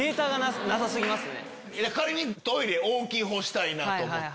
仮にトイレ大きいほうしたいなと思って。